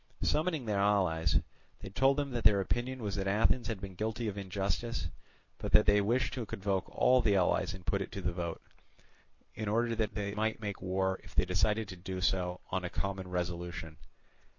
Summoning the allies, they told them that their opinion was that Athens had been guilty of injustice, but that they wished to convoke all the allies and put it to the vote; in order that they might make war, if they decided to do so, on a common resolution.